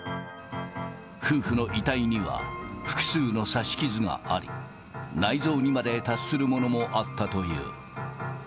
夫婦の遺体には、複数の刺し傷があり、内臓にまで達するものもあったという。